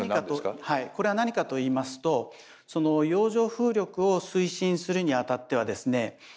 はいこれは何かと言いますと洋上風力を推進するにあたってはですね